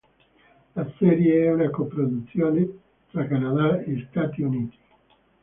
La serie è una co-produzione tra Canada e Stati Uniti.